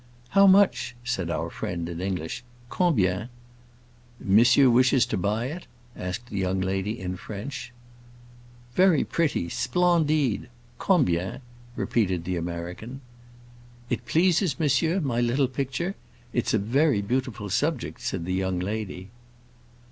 "How much?" said our friend, in English. "Combien?" "Monsieur wishes to buy it?" asked the young lady in French. "Very pretty, splendide. Combien?" repeated the American. "It pleases monsieur, my little picture? It's a very beautiful subject," said the young lady.